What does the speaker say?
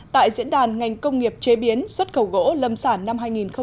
tại diễn đàn ngành công nghiệp chế biến xuất khẩu gỗ lâm sản năm hai nghìn một mươi chín